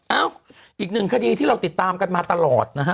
เอ้าอีกหนึ่งคดีที่เราติดตามกันมาตลอดนะฮะ